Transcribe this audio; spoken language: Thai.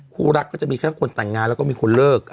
ฮฮก็จะมีแค่คนต่างงานแล้วก็มีคนเลิกครับ